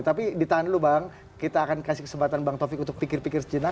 tapi ditahan dulu bang kita akan kasih kesempatan bang taufik untuk pikir pikir sejenak